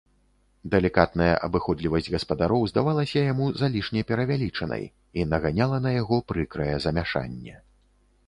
Далікатная абыходлівасць гаспадароў здавалася яму залішне перавялічанай і наганяла на яго прыкрае замяшанне.